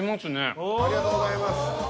ありがとうございます。